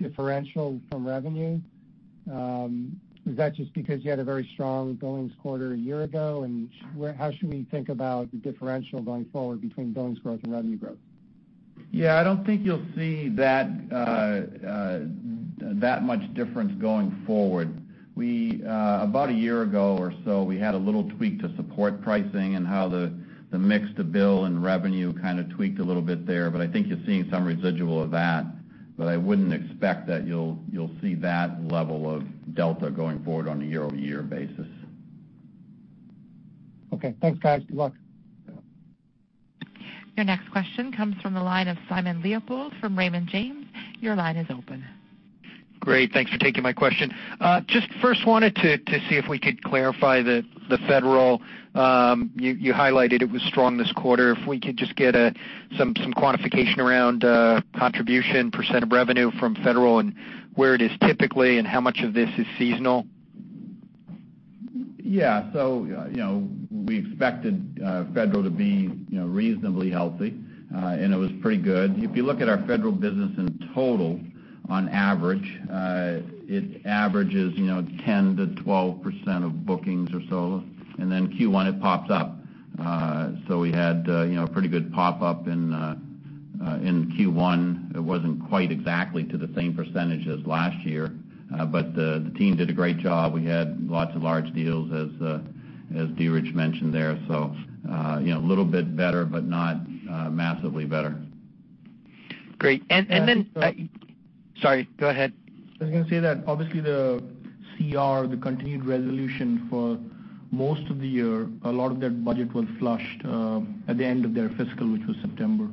Speaker 6: differential from revenue. Is that just because you had a very strong billings quarter a year ago? How should we think about the differential going forward between billings growth and revenue growth?
Speaker 4: Yeah, I don't think you'll see that much difference going forward. About a year ago or so, we had a little tweak to support pricing and how the mix to bill and revenue tweaked a little bit there, but I think you're seeing some residual of that, but I wouldn't expect that you'll see that level of delta going forward on a year-over-year basis.
Speaker 6: Okay. Thanks, guys. Good luck.
Speaker 3: Yeah.
Speaker 1: Your next question comes from the line of Simon Leopold from Raymond James. Your line is open.
Speaker 10: Great. Thanks for taking my question. Just first wanted to see if we could clarify the federal. You highlighted it was strong this quarter. If we could just get some quantification around contribution, % of revenue from federal and where it is typically, and how much of this is seasonal.
Speaker 4: Yeah. We expected federal to be reasonably healthy. It was pretty good. If you look at our federal business in total, on average, it averages 10% to 12% of bookings or so. Q1, it pops up. We had a pretty good pop up in Q1. It wasn't quite exactly to the same percentage as last year. The team did a great job. We had lots of large deals, as Dheeraj mentioned there. A little bit better, but not massively better.
Speaker 10: Great.
Speaker 3: Yeah.
Speaker 10: Sorry, go ahead.
Speaker 3: I was going to say that obviously the CR, the Continuing Resolution for most of the year, a lot of their budget was flushed at the end of their fiscal, which was September.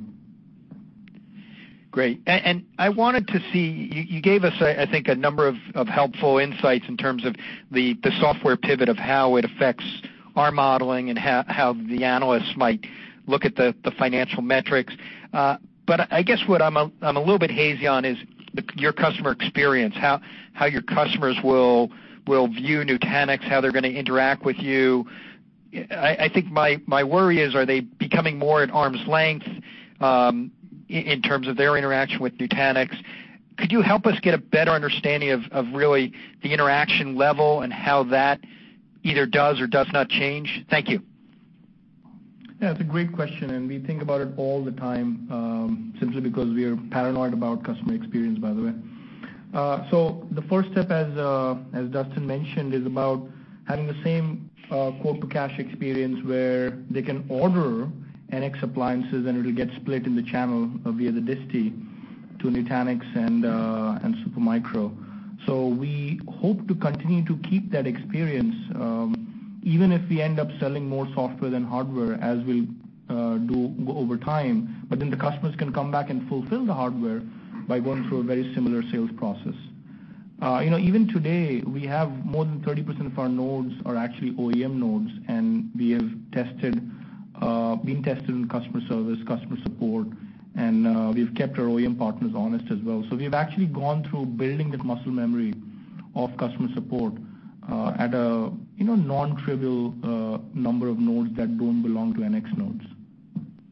Speaker 10: Great. I wanted to see, you gave us, I think, a number of helpful insights in terms of the software pivot of how it affects our modeling and how the analysts might look at the financial metrics. I guess what I'm a little bit hazy on is your customer experience, how your customers will view Nutanix, how they're going to interact with you. I think my worry is, are they becoming more at arm's length in terms of their interaction with Nutanix? Could you help us get a better understanding of really the interaction level and how that either does or does not change? Thank you.
Speaker 3: Yeah, it's a great question, and we think about it all the time, simply because we are paranoid about customer experience, by the way. The first step, as Duston mentioned, is about having the same quote-to-cash experience where they can order NX appliances, and it'll get split in the channel via the distie to Nutanix and Supermicro. We hope to continue to keep that experience, even if we end up selling more software than hardware as we do over time. The customers can come back and fulfill the hardware by going through a very similar sales process. Even today, we have more than 30% of our nodes are actually OEM nodes, and we have been tested in customer service, customer support, and we've kept our OEM partners honest as well. We've actually gone through building that muscle memory of customer support at a nontrivial number of nodes that don't belong to NX nodes.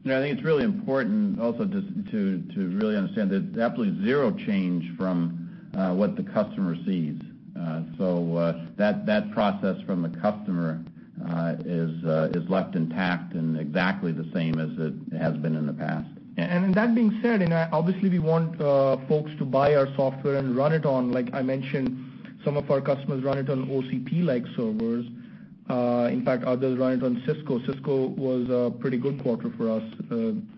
Speaker 4: I think it's really important also just to really understand there's absolutely zero change from what the customer sees. That process from the customer is left intact and exactly the same as it has been in the past.
Speaker 3: That being said, obviously we want folks to buy our software and run it on, like I mentioned, some of our customers run it on OCP-like servers. In fact, others run it on Cisco. Cisco was a pretty good quarter for us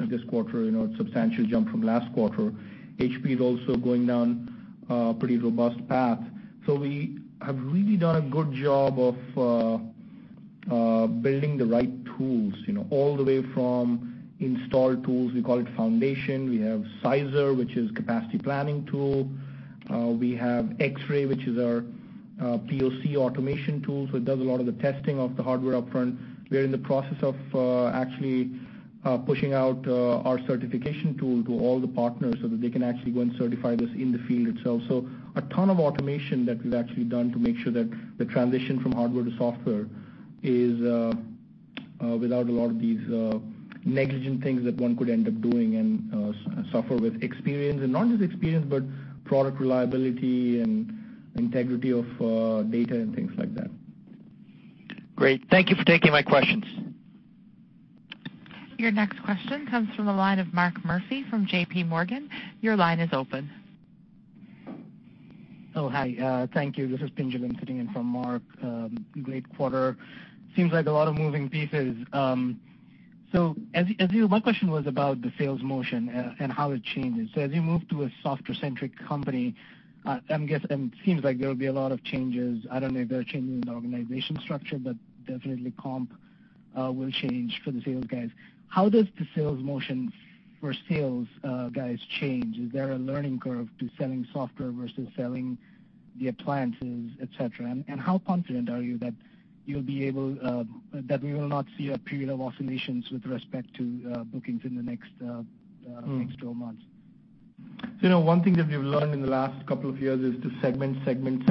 Speaker 3: this quarter, a substantial jump from last quarter. HP is also going down a pretty robust path. We have really done a good job of building the right tools all the way from install tools, we call it Foundation. We have Sizer, which is capacity planning tool. We have X-Ray, which is our POC automation tools, so it does a lot of the testing of the hardware up front. We're in the process of actually pushing out our certification tool to all the partners so that they can actually go and certify this in the field itself. A ton of automation that we've actually done to make sure that the transition from hardware to software is without a lot of these negligent things that one could end up doing and suffer with experience. Not just experience, but product reliability and integrity of data and things like that.
Speaker 10: Great. Thank you for taking my questions.
Speaker 1: Your next question comes from the line of Mark Murphy from JP Morgan. Your line is open.
Speaker 11: Oh, hi. Thank you. This is Benjamin sitting in for Mark. Great quarter. Seems like a lot of moving pieces. My question was about the sales motion and how it changes. As you move to a software-centric company, it seems like there will be a lot of changes. I don't know if there are changes in the organization structure, but definitely comp will change for the sales guys. How does the sales motion for sales guys change? Is there a learning curve to selling software versus selling the appliances, et cetera? How confident are you that we will not see a period of oscillations with respect to bookings in the next 12 months?
Speaker 3: One thing that we've learned in the last couple of years is to segment, segment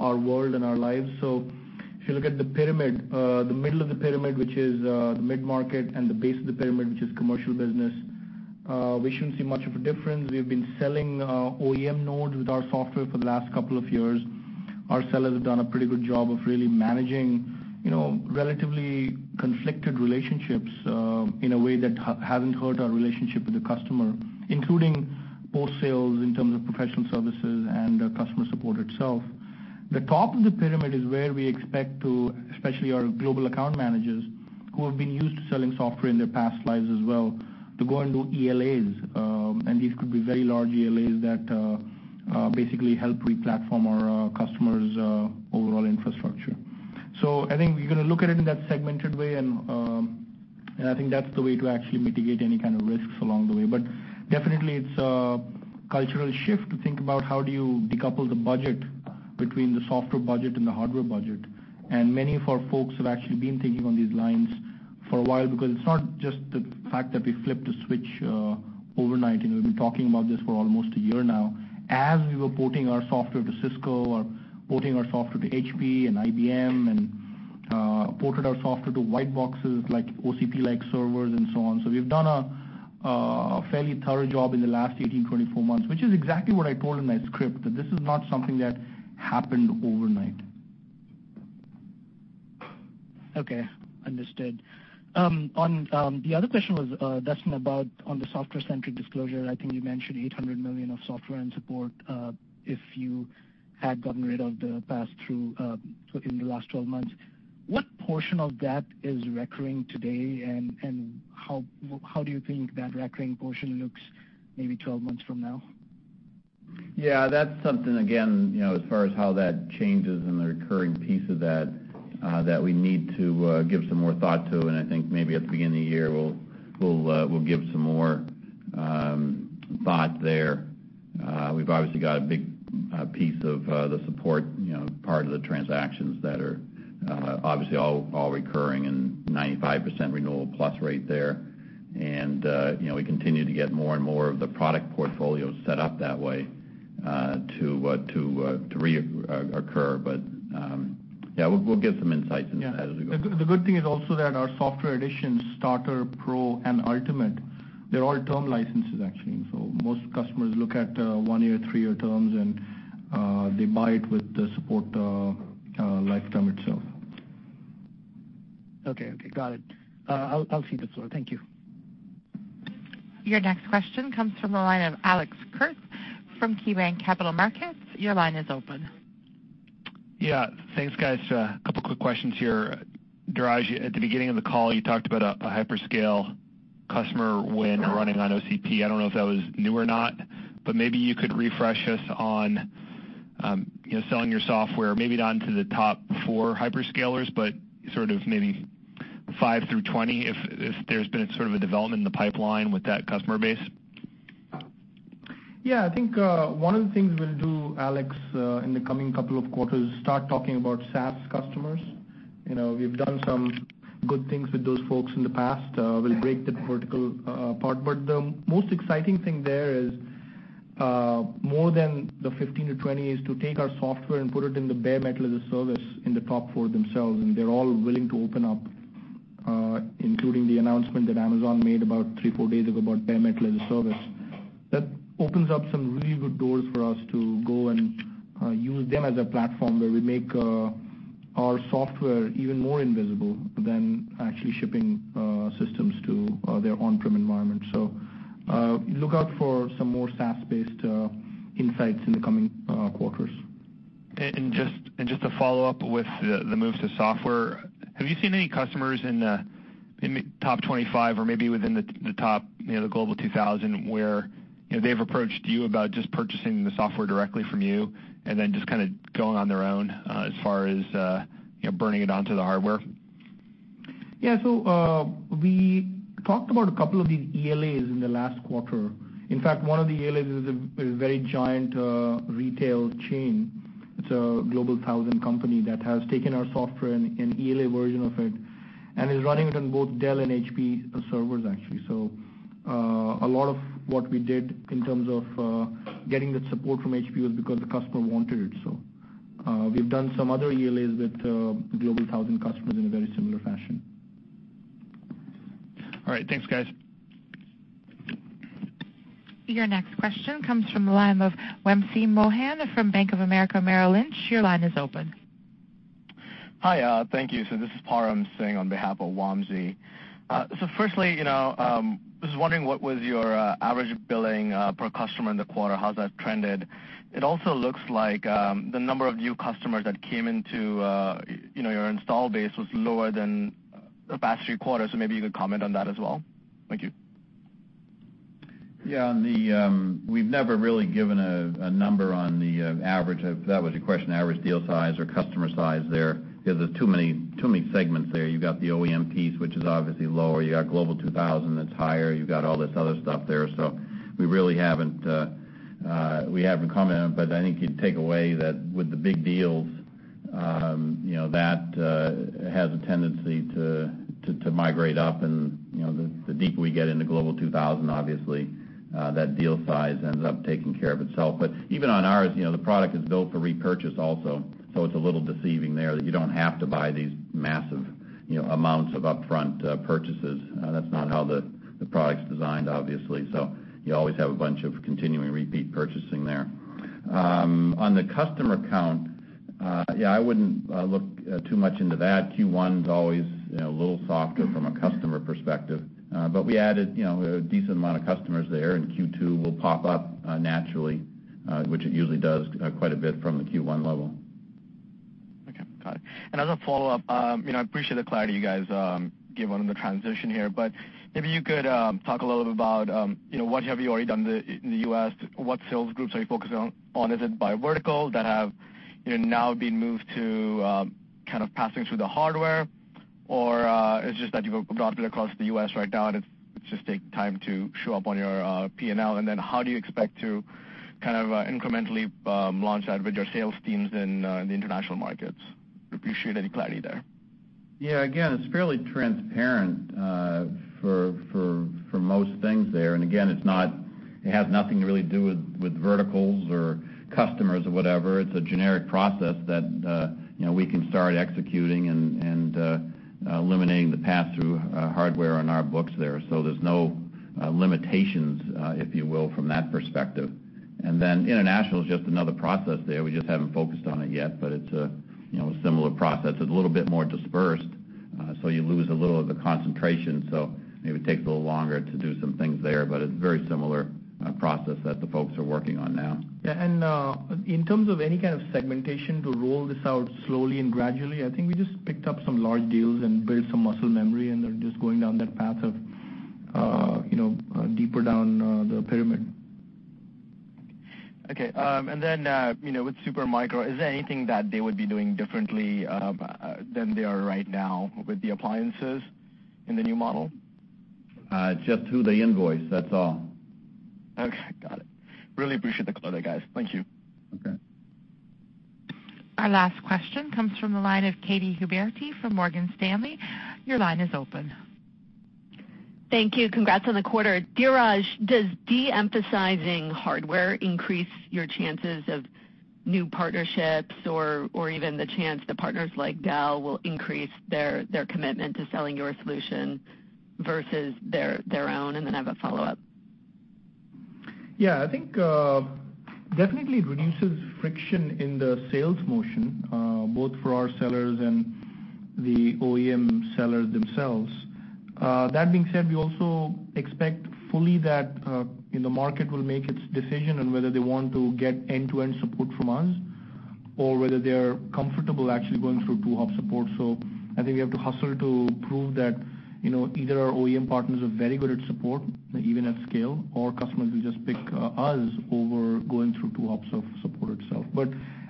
Speaker 3: our world and our lives. If you look at the pyramid, the middle of the pyramid, which is the mid-market, and the base of the pyramid, which is commercial business, we shouldn't see much of a difference. We've been selling OEM nodes with our software for the last couple of years. Our sellers have done a pretty good job of really managing relatively conflicted relationships in a way that hasn't hurt our relationship with the customer, including post-sales in terms of professional services and customer support itself. The top of the pyramid is where we expect to, especially our global account managers, who have been used to selling software in their past lives as well, to go and do ELAs. these could be very large ELAs that basically help replatform our customers' overall infrastructure. I think we're going to look at it in that segmented way, and I think that's the way to actually mitigate any kind of risks along the way. definitely, it's a cultural shift to think about how do you decouple the budget between the software budget and the hardware budget. many of our folks have actually been thinking on these lines for a while because it's not just the fact that we flipped a switch overnight, and we've been talking about this for almost a year now. As we were porting our software to Cisco or porting our software to HP and IBM and ported our software to white boxes like OCP-like servers and so on. we've done a fairly thorough job in the last 18, 24 months, which is exactly what I told in my script, that this is not something that happened overnight.
Speaker 11: Okay, understood. The other question was, Duston, about on the software-centric disclosure, I think you mentioned $800 million of software and support, if you had gotten rid of the passthrough in the last 12 months. What portion of that is recurring today, and how do you think that recurring portion looks maybe 12 months from now?
Speaker 4: that's something, again, as far as how that changes and the recurring piece of that, we need to give some more thought to, and I think maybe at the beginning of the year, we'll give some more thought there. We've obviously got a big piece of the support part of the transactions that are obviously all recurring and 95% renewal plus rate there. we continue to get more and more of the product portfolio set up that way to reoccur. we'll give some insights into that as we go.
Speaker 3: The good thing is also that our software editions, Starter, Pro, and Ultimate, they're all term licenses, actually. Most customers look at one-year, three-year terms, and they buy it with the support lifetime itself.
Speaker 11: Okay. Got it. I'll see this through. Thank you.
Speaker 1: Your next question comes from the line of Alex Kurtz from KeyBanc Capital Markets. Your line is open.
Speaker 12: Yeah. Thanks, guys. A couple quick questions here. Dheeraj, at the beginning of the call, you talked about a hyperscale customer win running on OCP. I don't know if that was new or not, but maybe you could refresh us on selling your software, maybe not to the top four hyperscalers, but sort of maybe five through 20, if there's been sort of a development in the pipeline with that customer base.
Speaker 3: Yeah, I think one of the things we'll do, Alex, in the coming couple of quarters is start talking about SaaS customers. We've done some good things with those folks in the past. We'll break the vertical part. The most exciting thing there is more than the 15-20 is to take our software and put it in the bare metal as a service in the top four themselves, and they're all willing to open up, including the announcement that Amazon made about three, four days ago about bare metal as a service. That opens up some really good doors for us to go and use them as a platform where we make our software even more invisible than actually shipping systems to their on-prem environment. Look out for some more SaaS-based insights in the coming quarters.
Speaker 12: Just to follow up with the move to software, have you seen any customers in the top 25 or maybe within the top Global 2000 where they've approached you about just purchasing the software directly from you and then just kind of going on their own as far as burning it onto the hardware?
Speaker 3: Yeah. We talked about a couple of these ELAs in the last quarter. In fact, one of the ELAs is a very giant retail chain. It's a Global 2000 company that has taken our software and ELA version of it, and is running it on both Dell and HP servers, actually. A lot of what we did in terms of getting that support from HP was because the customer wanted it. We've done some other ELAs with Global 2000 customers in a very similar fashion.
Speaker 12: All right. Thanks, guys.
Speaker 1: Your next question comes from the line of Wamsi Mohan from Bank of America Merrill Lynch. Your line is open.
Speaker 13: Hi. Thank you. This is Paramveer Singh on behalf of Wamsi. Firstly, just wondering what was your average billing per customer in the quarter. How's that trended? It also looks like the number of new customers that came into your install base was lower than the past few quarters, so maybe you could comment on that as well. Thank you.
Speaker 4: Yeah. We've never really given a number on the average, if that was your question, average deal size or customer size there, because there are too many segments there. You've got the OEMs, which is obviously lower. You've got Global 2000 that's higher. You've got all this other stuff there. We really haven't commented, but I think you'd take away that with the big deals, that has a tendency to migrate up, and the deeper we get into Global 2000, obviously, that deal size ends up taking care of itself. Even on ours, the product is built for repurchase also, so it's a little deceiving there that you don't have to buy these massive amounts of upfront purchases. That's not how the product's designed, obviously. You always have a bunch of continuing repeat purchasing there. On the customer count, yeah, I wouldn't look too much into that. Q1's always a little softer from a customer perspective. We added a decent amount of customers there, and Q2 will pop up naturally, which it usually does quite a bit from the Q1 level.
Speaker 13: As a follow-up, I appreciate the clarity you guys gave on the transition here, but maybe you could talk a little bit about what have you already done in the U.S., what sales groups are you focusing on? Is it by vertical that have now been moved to kind of passing through the hardware? It's just that you've got it across the U.S. right now, and it's just taking time to show up on your P&L. How do you expect to kind of incrementally launch that with your sales teams in the international markets? Appreciate any clarity there.
Speaker 4: Yeah, again, it's fairly transparent for most things there. Again, it has nothing to really do with verticals or customers or whatever. It's a generic process that we can start executing and eliminating the pass-through hardware on our books there. There's no limitations, if you will, from that perspective. International is just another process there. We just haven't focused on it yet, but it's a similar process. It's a little bit more dispersed, so you lose a little of the concentration. Maybe it takes a little longer to do some things there, but it's a very similar process that the folks are working on now.
Speaker 3: Yeah. In terms of any kind of segmentation to roll this out slowly and gradually, I think we just picked up some large deals and built some muscle memory. They're just going down that path of deeper down the pyramid.
Speaker 13: Okay. With Supermicro, is there anything that they would be doing differently than they are right now with the appliances in the new model?
Speaker 4: Just who they invoice, that's all.
Speaker 13: Okay. Got it. Really appreciate the clarity, guys. Thank you.
Speaker 4: Okay.
Speaker 1: Our last question comes from the line of Katy Huberty from Morgan Stanley. Your line is open.
Speaker 14: Thank you. Congrats on the quarter. Dheeraj, does de-emphasizing hardware increase your chances of new partnerships or even the chance that partners like Dell will increase their commitment to selling your solution versus their own? I have a follow-up.
Speaker 3: I think definitely it reduces friction in the sales motion, both for our sellers and the OEM sellers themselves. That being said, we also expect fully that the market will make its decision on whether they want to get end-to-end support from us or whether they're comfortable actually going through two hub support. I think we have to hustle to prove that either our OEM partners are very good at support, even at scale, or customers will just pick us over going through two hubs of support itself.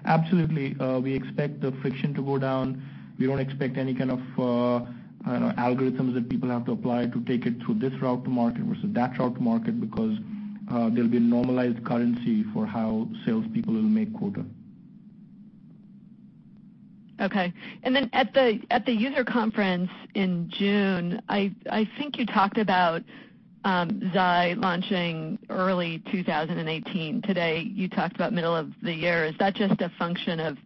Speaker 3: Absolutely, we expect the friction to go down. We don't expect any kind of algorithms that people have to apply to take it through this route to market versus that route to market because there'll be a normalized currency for how salespeople will make quota.
Speaker 14: Okay. Then at the user conference in June, I think you talked about Xi launching early 2018. Today, you talked about middle of the year. Is that just a function of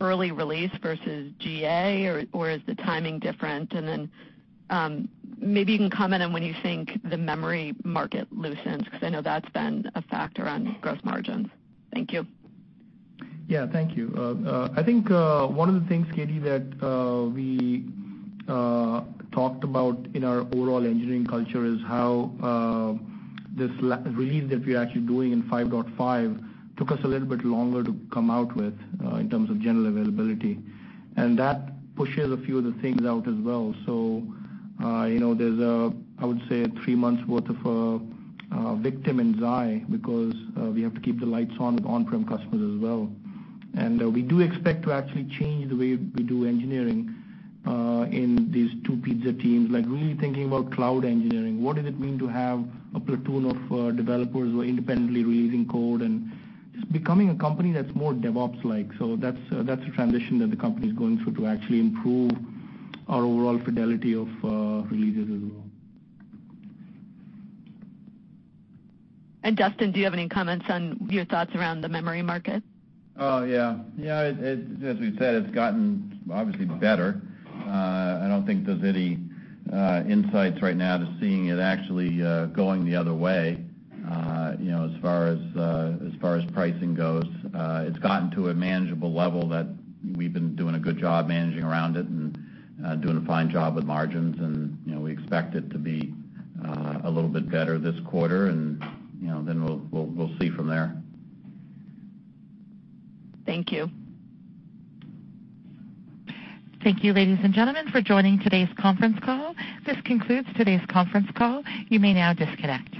Speaker 14: early release versus GA, or is the timing different? Then maybe you can comment on when you think the memory market loosens, because I know that's been a factor on gross margins. Thank you.
Speaker 3: Yeah. Thank you. I think one of the things, Katy, that we talked about in our overall engineering culture is how this release that we're actually doing in 5.5 took us a little bit longer to come out with in terms of general availability. That pushes a few of the things out as well. There's, I would say, three months worth of victim in Xi because we have to keep the lights on with on-prem customers as well. We do expect to actually change the way we do engineering in these two pizza teams, like really thinking about cloud engineering. What does it mean to have a platoon of developers who are independently releasing code? Just becoming a company that's more DevOps-like. That's a transition that the company's going through to actually improve our overall fidelity of releases as well.
Speaker 14: Duston, do you have any comments on your thoughts around the memory market?
Speaker 4: Yeah. As we've said, it's gotten obviously better. I don't think there's any insights right now to seeing it actually going the other way as far as pricing goes. It's gotten to a manageable level that we've been doing a good job managing around it and doing a fine job with margins, and we expect it to be a little bit better this quarter, and then we'll see from there.
Speaker 14: Thank you.
Speaker 1: Thank you, ladies and gentlemen, for joining today's conference call. This concludes today's conference call. You may now disconnect.